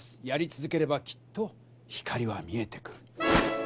やりつづければきっと光は見えてくる。